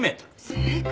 正解。